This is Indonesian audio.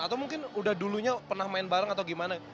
atau mungkin udah dulunya pernah main bareng atau gimana